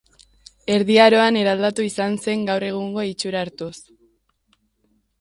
Erdi Aroan eraldatua izan zen, gaur egungo itxura hartuz.